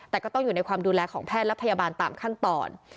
แต่ก็ต้องอยู่ในความดูแลของแพทย์และพยาบาลตามขั้นตอน